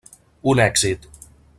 Un èxit.